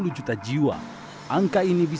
ditahui pasukan tradisional jakarta trascom mikro jas